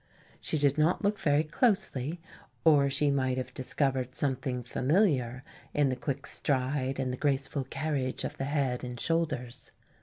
She did not look very closely or she might have discovered something familiar in the quick stride and the graceful carriage of the head and shoulders.